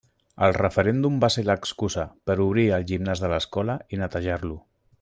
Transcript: El referèndum va ser l'excusa per obrir el gimnàs de l'escola i netejar-lo.